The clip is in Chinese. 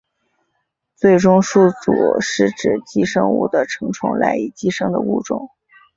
最终宿主是指寄生物的成虫赖以寄生的物种。